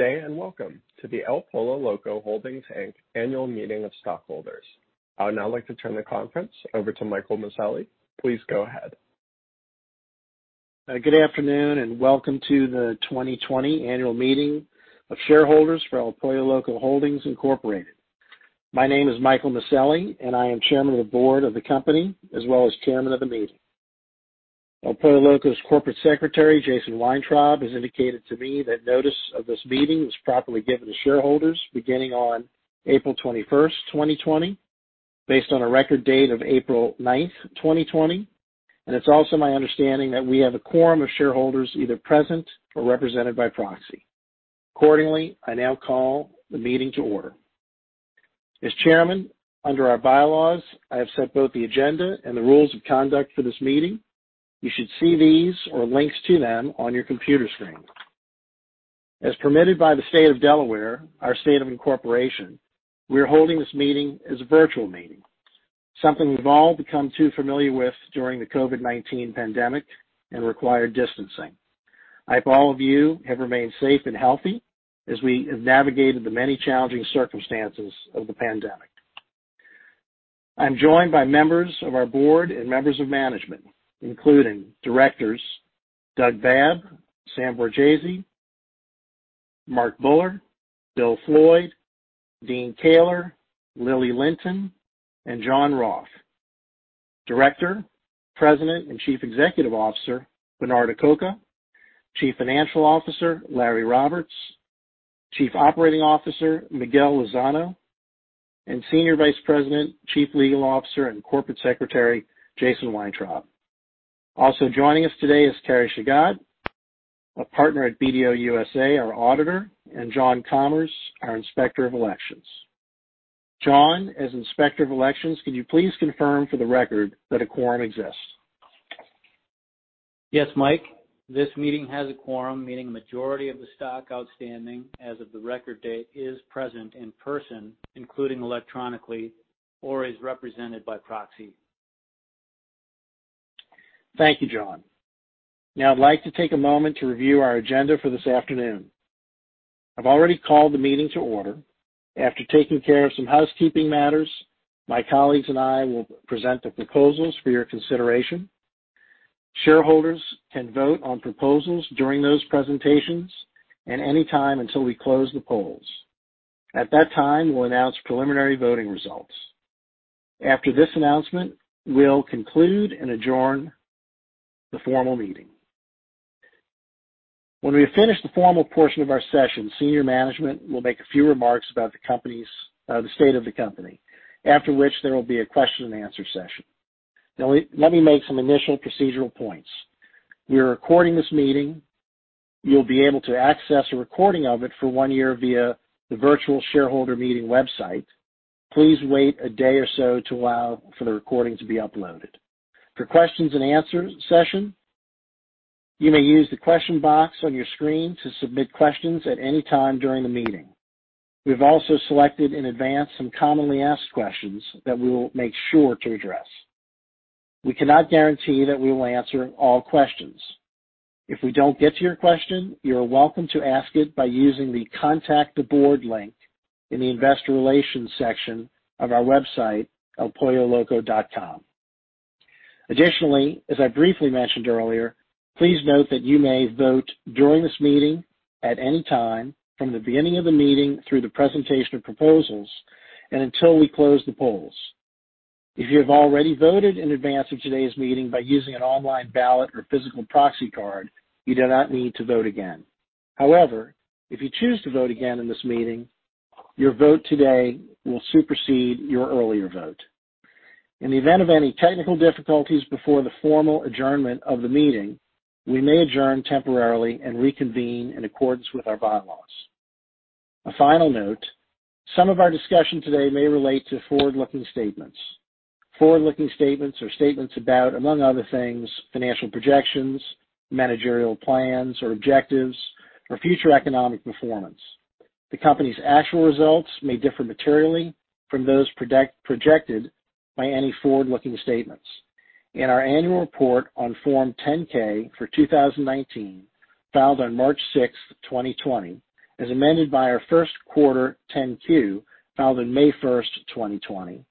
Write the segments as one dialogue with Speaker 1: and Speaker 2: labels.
Speaker 1: Good day, and welcome to the El Pollo Loco Holdings, Inc. Annual Meeting of Stockholders. I would now like to turn the conference over to Michael Maselli. Please go ahead.
Speaker 2: Good afternoon, and welcome to the 2020 annual meeting of shareholders for El Pollo Loco Holdings, Incorporated. My name is Michael Maselli, and I am Chairman of the Board of the company, as well as Chairman of the meeting. El Pollo Loco's Corporate Secretary, Jason Weintraub, has indicated to me that notice of this meeting was properly given to shareholders beginning on April 21st, 2020, based on a record date of April ninth, 2020, and it's also my understanding that we have a quorum of shareholders either present or represented by proxy. Accordingly, I now call the meeting to order. As Chairman, under our bylaws, I have set both the agenda and the rules of conduct for this meeting. You should see these or links to them on your computer screen. As permitted by the state of Delaware, our state of incorporation, we are holding this meeting as a virtual meeting, something we've all become too familiar with during the COVID-19 pandemic and required distancing. I hope all of you have remained safe and healthy as we have navigated the many challenging circumstances of the pandemic. I'm joined by members of our board and members of management, including directors Doug Babb, Sam Borgese, Mark Buller, Bill Floyd, Dean Kehler, Lili Lynton, and John Roth. Director, President, and Chief Executive Officer, Bernard Acoca, Chief Financial Officer, Larry Roberts, Chief Operating Officer, Miguel Lozano, and Senior Vice President, Chief Legal Officer, and Corporate Secretary, Jason Weintraub. Also joining us today is Carrie Shagat, a partner at BDO USA, our auditor, and John Commerce, our Inspector of Elections. John, as Inspector of Elections, can you please confirm for the record that a quorum exists?
Speaker 3: Yes, Mike, this meeting has a quorum, meaning a majority of the stock outstanding as of the record date is present in person, including electronically or as represented by proxy.
Speaker 2: Thank you, John. I'd like to take a moment to review our agenda for this afternoon. I've already called the meeting to order. After taking care of some housekeeping matters, my colleagues and I will present the proposals for your consideration. Shareholders can vote on proposals during those presentations and any time until we close the polls. At that time, we'll announce preliminary voting results. After this announcement, we'll conclude and adjourn the formal meeting. When we have finished the formal portion of our session, senior management will make a few remarks about the state of the company, after which there will be a question and answer session. Let me make some initial procedural points. We are recording this meeting. You'll be able to access a recording of it for one year via the virtual shareholder meeting website. Please wait a day or so to allow for the recording to be uploaded. For questions and answer session, you may use the question box on your screen to submit questions at any time during the meeting. We've also selected in advance some commonly asked questions that we will make sure to address. We cannot guarantee that we will answer all questions. If we don't get to your question, you are welcome to ask it by using the Contact the Board link in the investor relations section of our website, elpolloloco.com. As I briefly mentioned earlier, please note that you may vote during this meeting at any time from the beginning of the meeting through the presentation of proposals and until we close the polls. If you have already voted in advance of today's meeting by using an online ballot or physical proxy card, you do not need to vote again. However, if you choose to vote again in this meeting, your vote today will supersede your earlier vote. In the event of any technical difficulties before the formal adjournment of the meeting, we may adjourn temporarily and reconvene in accordance with our bylaws. A final note, some of our discussion today may relate to forward-looking statements. Forward-looking statements are statements about, among other things, financial projections, managerial plans or objectives, or future economic performance. The company's actual results may differ materially from those projected by any forward-looking statements. In our annual report on Form 10-K for 2019, filed on March sixth, 2020, as amended by our first quarter 10-Q, filed on May first, 2020.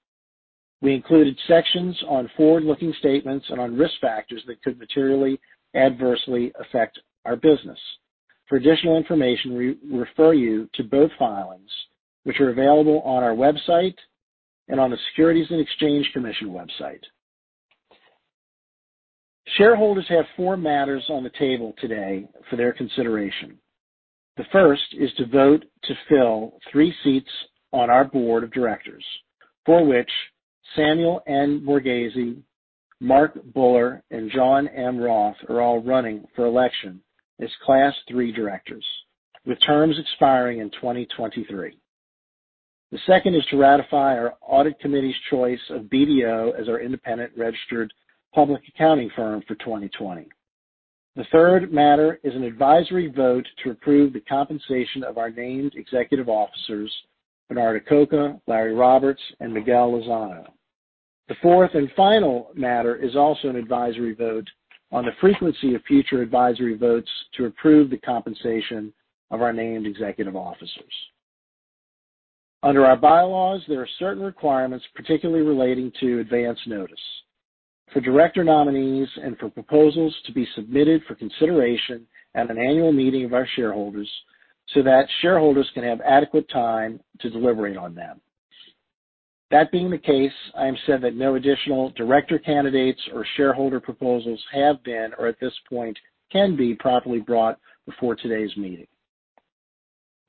Speaker 2: We included sections on forward-looking statements and on risk factors that could materially adversely affect our business. For additional information, we refer you to both filings, which are available on our website and on the Securities and Exchange Commission website. Shareholders have four matters on the table today for their consideration. The first is to vote to fill three seats on our board of directors, for which Samuel N. Borgese, Mark Buller, and John M. Roth are all running for election as Class III directors, with terms expiring in 2023. The second is to ratify our audit committee's choice of BDO as our independent registered public accounting firm for 2020. The third matter is an advisory vote to approve the compensation of our named executive officers, Bernard Acoca, Larry Roberts, and Miguel Lozano. The fourth and final matter is also an advisory vote on the frequency of future advisory votes to approve the compensation of our named executive officers. Under our bylaws, there are certain requirements, particularly relating to advance notice for director nominees and for proposals to be submitted for consideration at an annual meeting of our shareholders so that shareholders can have adequate time to deliberate on them. That being the case, I am satisfied that no additional director candidates or shareholder proposals have been or at this point can be properly brought before today's meeting.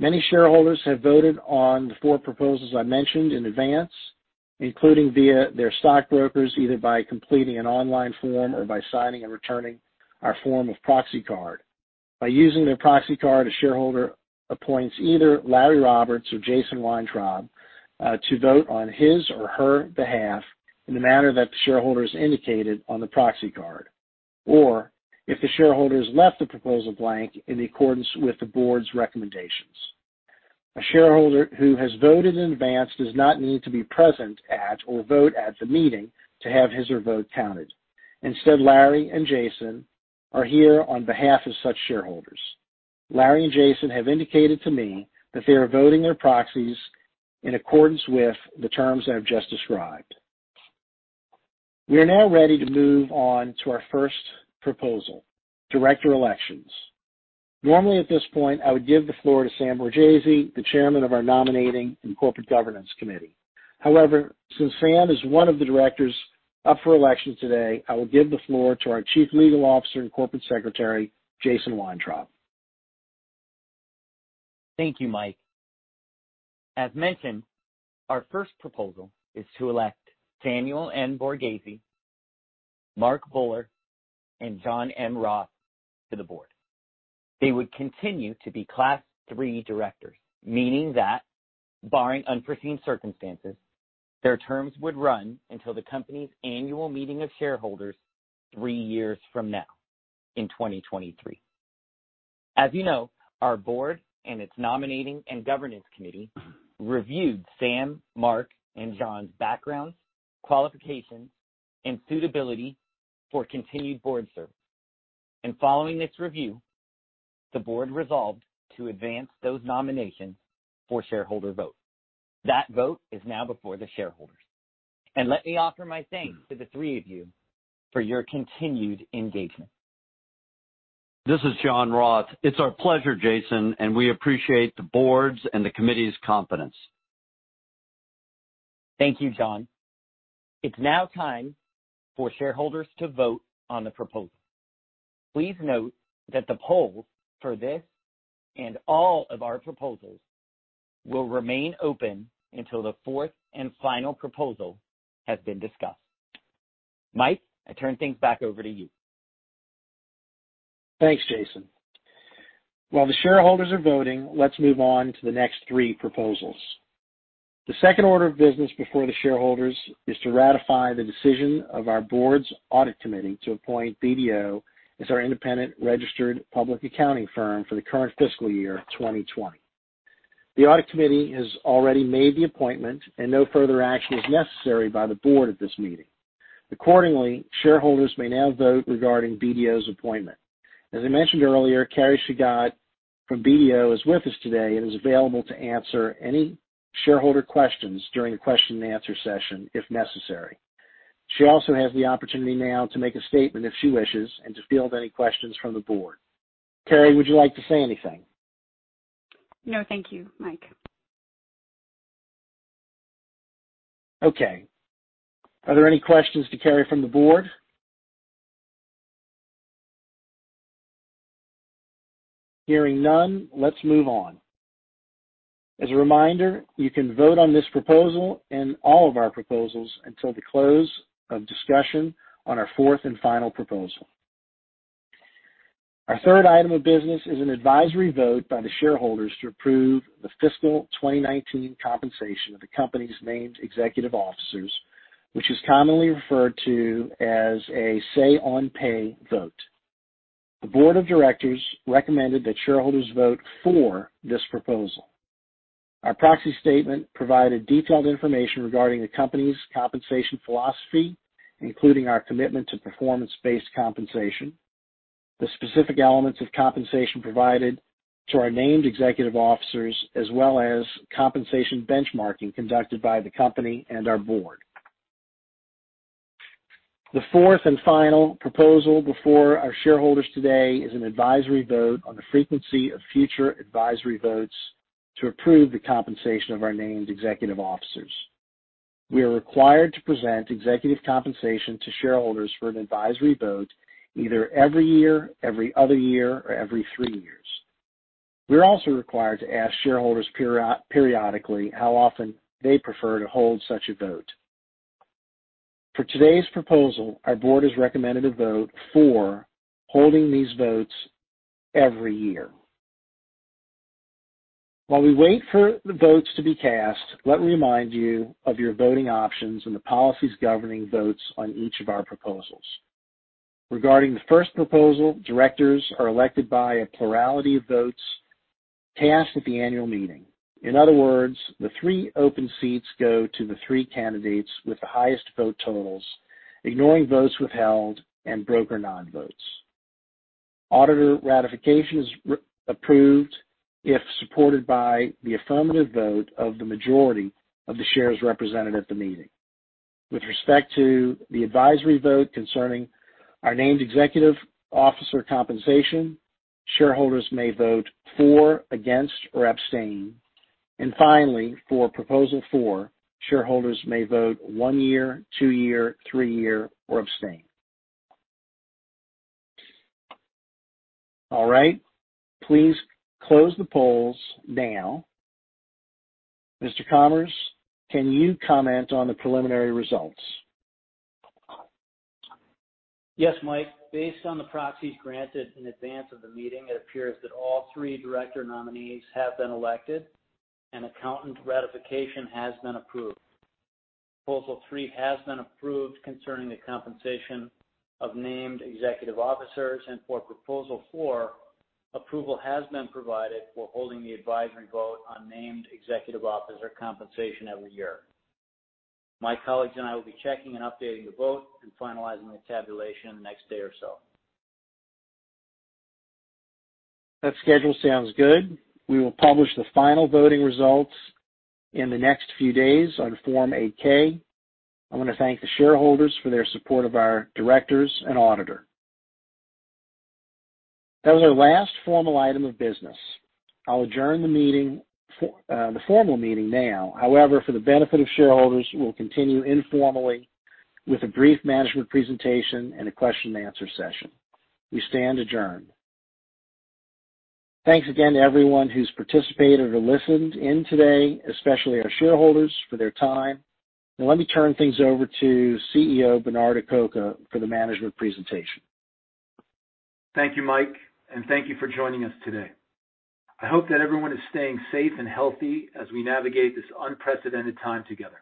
Speaker 2: Many shareholders have voted on the four proposals I mentioned in advance, including via their stockbrokers, either by completing an an online form or by signing and returning our form of proxy card. By using their proxy card, a shareholder appoints either Larry Roberts or Jason Weintraub to vote on his or her behalf in the manner that the shareholder is indicated on the proxy card. If the shareholder has left the proposal blank in accordance with the board's recommendations. A shareholder who has voted in advance does not need to be present at or vote at the meeting to have his or vote counted. Instead, Larry and Jason are here on behalf of such shareholders. Larry and Jason have indicated to me that they are voting their proxies in accordance with the terms that I've just described. We are now ready to move on to our first proposal, director elections. Normally, at this point, I would give the floor to Sam Borgese, the chairman of our nominating and corporate governance committee. However, since Sam is one of the directors up for election today, I will give the floor to our Chief Legal Officer and Corporate Secretary, Jason Weintraub.
Speaker 4: Thank you, Mike. As mentioned, our first proposal is to elect Samuel N. Borgese, Mark Buller, and John M. Roth to the board. They would continue to be class III directors, meaning that barring unforeseen circumstances, their terms would run until the company's annual meeting of shareholders three years from now in 2023. As you know, our board and its nominating and governance committee reviewed Sam, Mark, and John's backgrounds, qualifications, and suitability for continued board service. Following this review, the board resolved to advance those nominations for shareholder vote. That vote is now before the shareholders. Let me offer my thanks to the three of you for your continued engagement.
Speaker 5: This is John Roth. It's our pleasure, Jason, and we appreciate the board's and the committee's confidence.
Speaker 4: Thank you, John. It's now time for shareholders to vote on the proposal. Please note that the poll for this and all of our proposals will remain open until the fourth and final proposal has been discussed. Mike, I turn things back over to you.
Speaker 2: Thanks, Jason. While the shareholders are voting, let's move on to the next three proposals. The second order of business before the shareholders is to ratify the decision of our board's audit committee to appoint BDO as our independent registered public accounting firm for the current fiscal year, 2020. The audit committee has already made the appointment. No further action is necessary by the board at this meeting. Accordingly, shareholders may now vote regarding BDO's appointment. As I mentioned earlier, Carrie Shagat from BDO is with us today and is available to answer any shareholder questions during the question-and-answer session if necessary. She also has the opportunity now to make a statement if she wishes and to field any questions from the board. Carrie, would you like to say anything?
Speaker 6: No, thank you, Mike.
Speaker 2: Okay. Are there any questions to Carrie from the Board? Hearing none, let's move on. As a reminder, you can vote on this proposal and all of our proposals until the close of discussion on our fourth and final proposal. Our third item of business is an advisory vote by the shareholders to approve the fiscal 2019 compensation of the company's named executive officers, which is commonly referred to as a say on pay vote. The Board of Directors recommended that shareholders vote for this proposal. Our proxy statement provided detailed information regarding the company's compensation philosophy, including our commitment to performance-based compensation, the specific elements of compensation provided to our named executive officers, as well as compensation benchmarking conducted by the company and our Board. The fourth and final proposal before our shareholders today is an advisory vote on the frequency of future advisory votes to approve the compensation of our named executive officers. We are required to present executive compensation to shareholders for an advisory vote either every year, every other year, or every three years. We are also required to ask shareholders periodically how often they prefer to hold such a vote. For today's proposal, our board has recommended a vote for holding these votes every year. While we wait for the votes to be cast, let me remind you of your voting options and the policies governing votes on each of our proposals. Regarding the first proposal, directors are elected by a plurality of votes cast at the annual meeting. In other words, the three open seats go to the three candidates with the highest vote totals, ignoring votes withheld and broker non-votes. Auditor ratification is approved if supported by the affirmative vote of the majority of the shares represented at the meeting. With respect to the advisory vote concerning our named executive officer compensation, shareholders may vote for, against, or abstain. Finally, for proposal four, shareholders may vote one year, two year, three year, or abstain. All right. Please close the polls now. Mr. Commerce, can you comment on the preliminary results?
Speaker 3: Yes, Mike. Based on the proxies granted in advance of the meeting, it appears that all three director nominees have been elected and accountant ratification has been approved. Proposal 3 has been approved concerning the compensation of named executive officers, and for proposal 4, approval has been provided for holding the advisory vote on named executive officer compensation every year. My colleagues and I will be checking and updating the vote and finalizing the tabulation in the next day or so.
Speaker 2: That schedule sounds good. We will publish the final voting results in the next few days on Form 8-K. I want to thank the shareholders for their support of our directors and auditor. That was our last formal item of business. I'll adjourn the formal meeting now. However, for the benefit of shareholders, we'll continue informally with a brief management presentation and a question and answer session. We stand adjourned. Thanks again to everyone who's participated or listened in today, especially our shareholders for their time. Now let me turn things over to CEO Bernard Acoca for the management presentation.
Speaker 7: Thank you, Mike, and thank you for joining us today. I hope that everyone is staying safe and healthy as we navigate this unprecedented time together.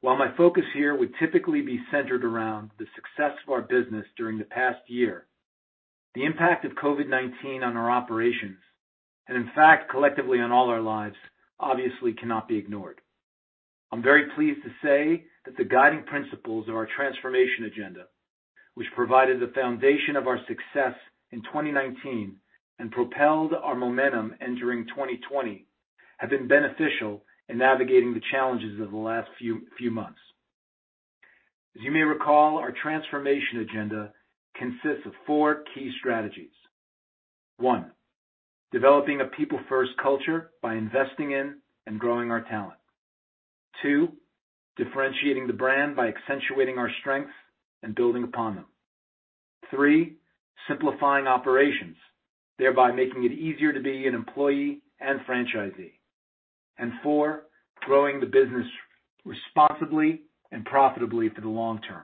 Speaker 7: While my focus here would typically be centered around the success of our business during the past year, the impact of COVID-19 on our operations, and in fact, collectively on all our lives, obviously cannot be ignored. I'm very pleased to say that the guiding principles of our transformation agenda, which provided the foundation of our success in 2019 and propelled our momentum entering 2020, have been beneficial in navigating the challenges of the last few months. As you may recall, our transformation agenda consists of four key strategies. One, developing a people-first culture by investing in and growing our talent. Two, differentiating the brand by accentuating our strengths and building upon them. Three, simplifying operations, thereby making it easier to be an employee and franchisee. Four, growing the business responsibly and profitably for the long term.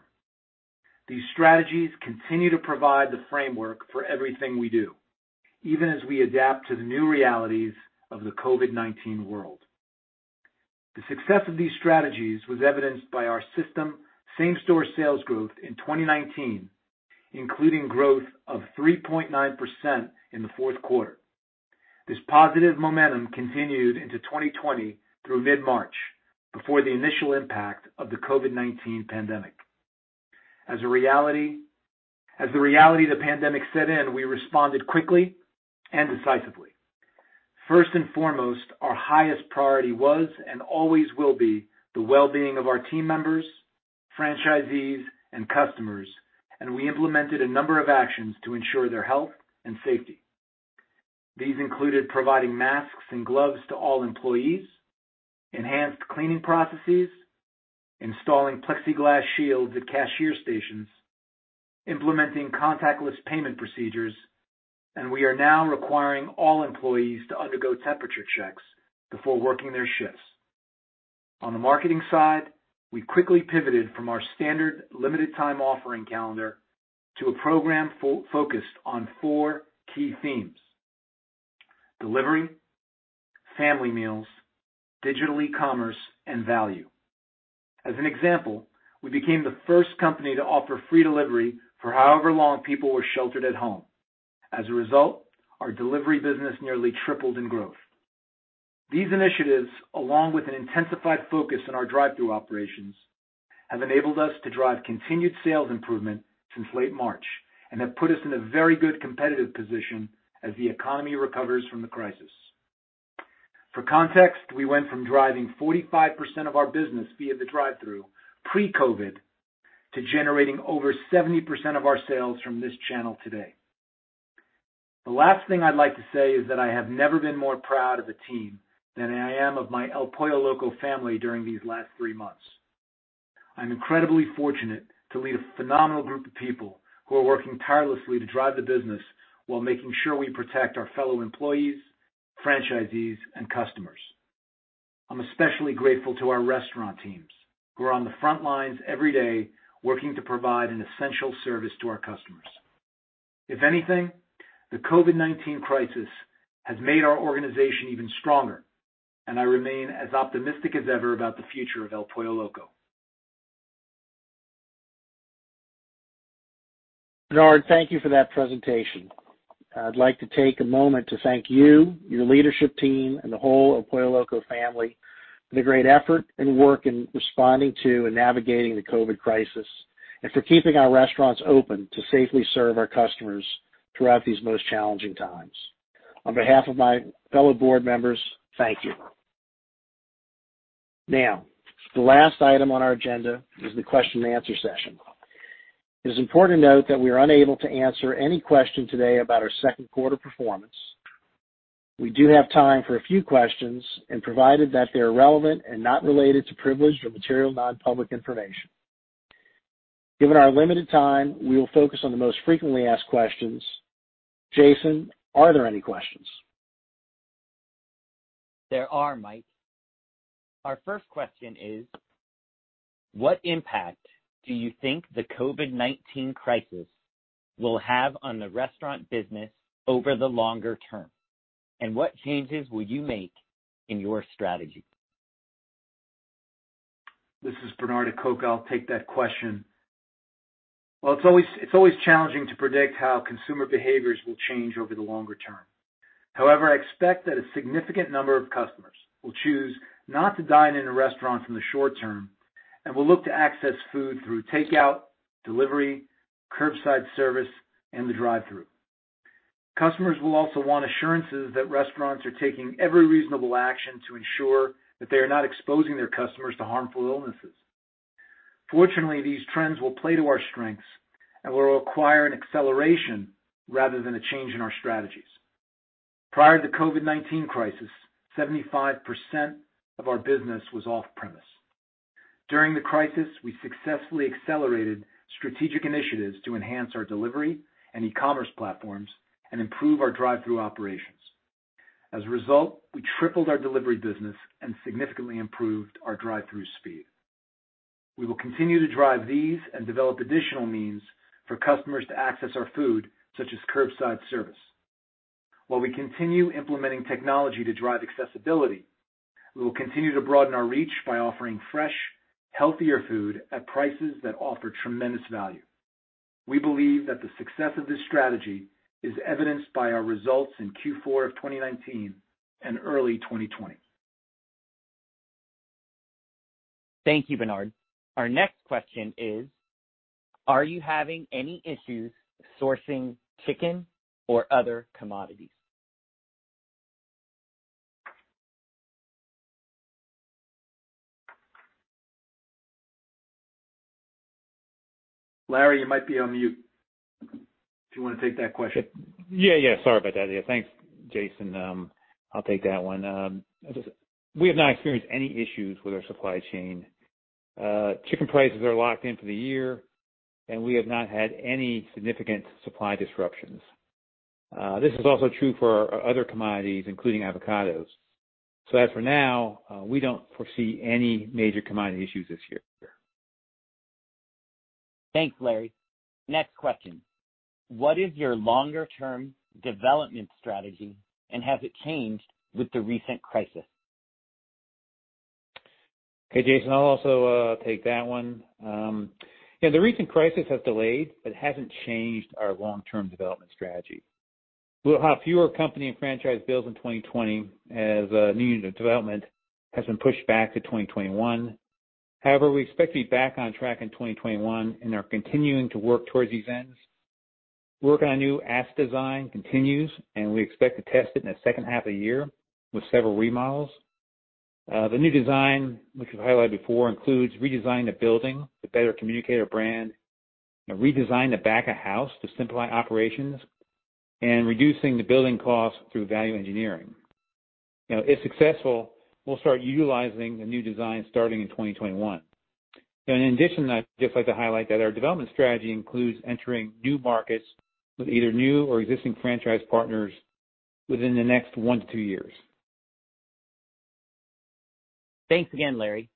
Speaker 7: These strategies continue to provide the framework for everything we do, even as we adapt to the new realities of the COVID-19 world. The success of these strategies was evidenced by our system same-store sales growth in 2019, including growth of 3.9% in the fourth quarter. This positive momentum continued into 2020 through mid-March, before the initial impact of the COVID-19 pandemic. As the reality of the pandemic set in, we responded quickly and decisively. First and foremost, our highest priority was and always will be the well-being of our team members, franchisees, and customers, and we implemented a number of actions to ensure their health and safety. These included providing masks and gloves to all employees, enhanced cleaning processes, installing plexiglass shields at cashier stations, implementing contactless payment procedures, and we are now requiring all employees to undergo temperature checks before working their shifts. On the marketing side, we quickly pivoted from our standard limited time offering calendar to a program focused on four key themes: delivery, family meals, digital e-commerce, and value. As an example, we became the first company to offer free delivery for however long people were sheltered at home. As a result, our delivery business nearly tripled in growth. These initiatives, along with an intensified focus on our drive-thru operations, have enabled us to drive continued sales improvement since late March and have put us in a very good competitive position as the economy recovers from the crisis. For context, we went from driving 45% of our business via the drive-thru pre-COVID to generating over 70% of our sales from this channel today. The last thing I'd like to say is that I have never been more proud of a team than I am of my El Pollo Loco family during these last three months. I'm incredibly fortunate to lead a phenomenal group of people who are working tirelessly to drive the business while making sure we protect our fellow employees, franchisees, and customers. If anything, the COVID-19 crisis has made our organization even stronger, I remain as optimistic as ever about the future of El Pollo Loco.
Speaker 2: Bernard, thank you for that presentation. I'd like to take a moment to thank you, your leadership team, and the whole El Pollo Loco family for the great effort and work in responding to and navigating the COVID crisis, and for keeping our restaurants open to safely serve our customers throughout these most challenging times. On behalf of my fellow board members, thank you. The last item on our agenda is the question-and-answer session. It is important to note that we are unable to answer any question today about our second quarter performance. We do have time for a few questions, provided that they are relevant and not related to privileged or material non-public information. Given our limited time, we will focus on the most frequently asked questions. Jason, are there any questions?
Speaker 4: There are, Michael. Our first question is, what impact do you think the COVID-19 crisis will have on the restaurant business over the longer term, and what changes will you make in your strategy?
Speaker 7: This is Bernard Acoca. I'll take that question. Well, it's always challenging to predict how consumer behaviors will change over the longer term. However, I expect that a significant number of customers will choose not to dine in a restaurant in the short term and will look to access food through takeout, delivery, curbside service, and the drive-through. Customers will also want assurances that restaurants are taking every reasonable action to ensure that they are not exposing their customers to harmful illnesses. Fortunately, these trends will play to our strengths and will require an acceleration rather than a change in our strategies. Prior to the COVID-19 crisis, 75% of our business was off-premise. During the crisis, we successfully accelerated strategic initiatives to enhance our delivery and e-commerce platforms and improve our drive-through operations. As a result, we tripled our delivery business and significantly improved our drive-through speed. We will continue to drive these and develop additional means for customers to access our food, such as curbside service. While we continue implementing technology to drive accessibility, we will continue to broaden our reach by offering fresh, healthier food at prices that offer tremendous value. We believe that the success of this strategy is evidenced by our results in Q4 of 2019 and early 2020.
Speaker 4: Thank you, Bernard. Our next question is, are you having any issues sourcing chicken or other commodities?
Speaker 7: Larry, you might be on mute if you want to take that question.
Speaker 8: Yeah. Sorry about that. Yeah. Thanks, Jason. I'll take that one. We have not experienced any issues with our supply chain. Chicken prices are locked in for the year, and we have not had any significant supply disruptions. This is also true for our other commodities, including avocados. As for now, we don't foresee any major commodity issues this year.
Speaker 4: Thanks, Larry. Next question. What is your longer-term development strategy, and has it changed with the recent crisis?
Speaker 8: Hey, Jason. I'll also take that one. Yeah. The recent crisis has delayed but hasn't changed our long-term development strategy. We'll have fewer company and franchise builds in 2020 as new unit development has been pushed back to 2021. However, we expect to be back on track in 2021 and are continuing to work towards these ends. Work on a new asset design continues, and we expect to test it in the second half of the year with several remodels. The new design, which we've highlighted before, includes redesigning the building to better communicate our brand, redesign the back of house to simplify operations, and reducing the building cost through value engineering. Now, if successful, we'll start utilizing the new design starting in 2021. In addition, I'd just like to highlight that our development strategy includes entering new markets with either new or existing franchise partners within the next one to two years.
Speaker 4: Thanks again, Larry.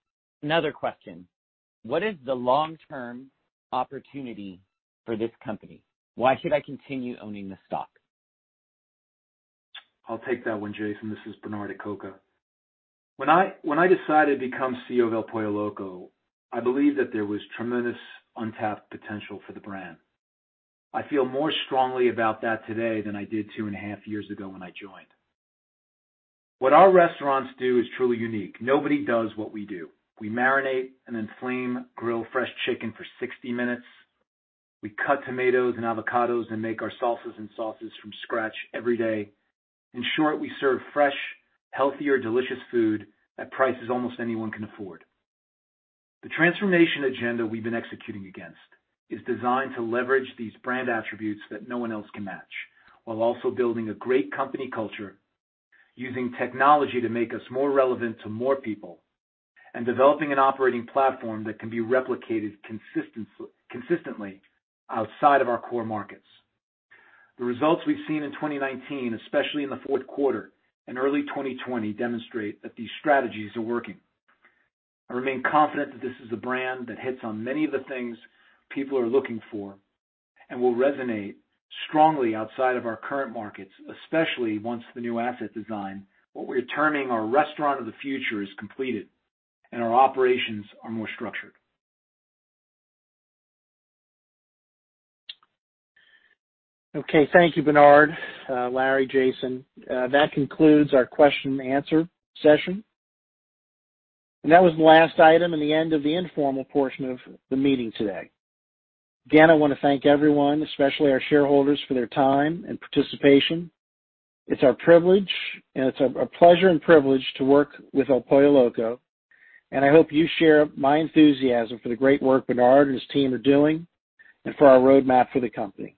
Speaker 4: Another question. What is the long-term opportunity for this company? Why should I continue owning this stock?
Speaker 7: I'll take that one, Jason. This is Bernard Acoca. When I decided to become CEO of El Pollo Loco, I believed that there was tremendous untapped potential for the brand. I feel more strongly about that today than I did two and a half years ago when I joined. What our restaurants do is truly unique. Nobody does what we do. We marinate and then flame-grill fresh chicken for 60 minutes. We cut tomatoes and avocados and make our salsas and sauces from scratch every day. In short, we serve fresh, healthier, delicious food at prices almost anyone can afford. The transformation agenda we've been executing against is designed to leverage these brand attributes that no one else can match, while also building a great company culture using technology to make us more relevant to more people and developing an operating platform that can be replicated consistently outside of our core markets. The results we've seen in 2019, especially in the fourth quarter and early 2020, demonstrate that these strategies are working. I remain confident that this is a brand that hits on many of the things people are looking for and will resonate strongly outside of our current markets, especially once the new asset design, what we're terming our restaurant of the future, is completed and our operations are more structured.
Speaker 2: Okay. Thank you, Bernard, Larry, Jason. That concludes our question-and-answer session. That was the last item and the end of the informal portion of the meeting today. Again, I want to thank everyone, especially our shareholders, for their time and participation. It's our privilege, and it's a pleasure and privilege to work with El Pollo Loco, and I hope you share my enthusiasm for the great work Bernard and his team are doing and for our roadmap for the company.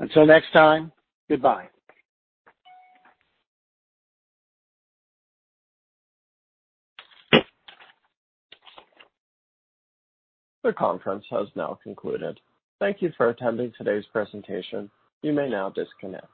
Speaker 2: Until next time, goodbye.
Speaker 1: The conference has now concluded. Thank you for attending today's presentation. You may now disconnect.